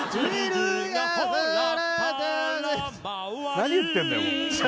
何言ってんだよ